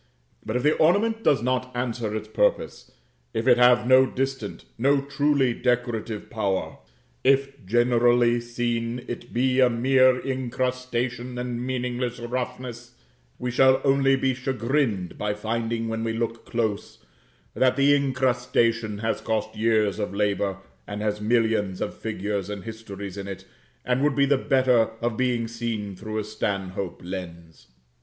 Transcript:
But if the ornament does not answer its purpose, if it have no distant, no truly decorative power; if generally seen it be a mere incrustation and meaningless roughness, we shall only be chagrined by finding when we look close, that the incrustation has cost years of labor and has millions of figures and histories in it and would be the better of being seen through a Stanhope lens.